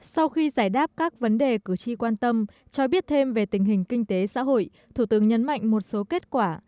sau khi giải đáp các vấn đề cử tri quan tâm cho biết thêm về tình hình kinh tế xã hội thủ tướng nhấn mạnh một số kết quả